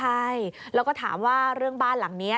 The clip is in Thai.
ใช่แล้วก็ถามว่าเรื่องบ้านหลังนี้